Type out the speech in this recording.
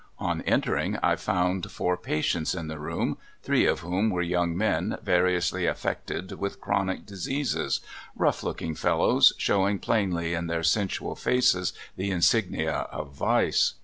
On entering, I found four patients in the room, three of whom were young men, variously affect ed with chronic diseases — rough looking fellows, showing plainly in their sensual faces the insignia of vice.